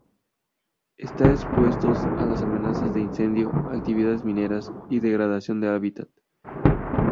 Está expuestos a las amenazas de incendio, actividades mineras y degradación del hábitat.